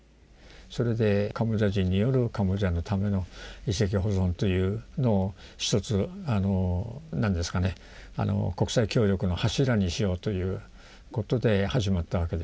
それでカンボジア人によるカンボジアのための遺跡保存というのを一つ国際協力の柱にしようということで始まったわけです。